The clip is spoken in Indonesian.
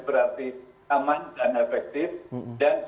kalau nanti baiknya long path kan saya janji memang